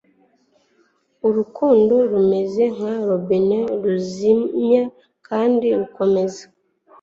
urukundo rumeze nka robine, ruzimya kandi rukomeza